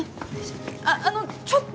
あっあのちょっと。